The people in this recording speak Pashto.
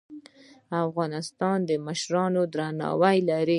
د افغانستان مشران درناوی لري